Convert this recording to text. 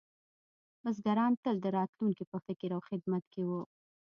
بزګران تل د راتلونکي په فکر او خدمت کې وو.